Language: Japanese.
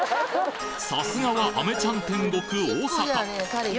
さすがはアメちゃん天国大阪